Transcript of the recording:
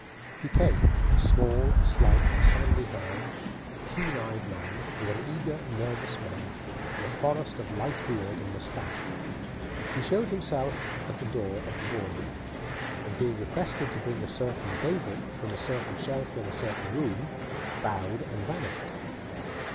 He came, a small, slight, sandy haired, keen eyed man, with an eager, nervous manner, and a forest of light beard and moustache. He just showed himself at the door of the board room, and, being requested to bring a certain day book from a certain shelf in a certain room, bowed and vanished.